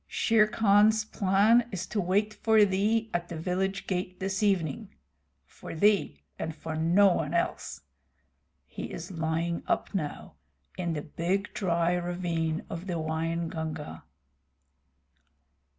Shere Khan's plan is to wait for thee at the village gate this evening for thee and for no one else. He is lying up now, in the big dry ravine of the Waingunga."